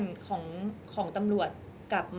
มิวยังมีเจ้าหน้าที่ตำรวจอีกหลายคนที่พร้อมจะให้ความยุติธรรมกับมิว